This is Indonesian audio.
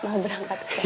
mau berangkat saya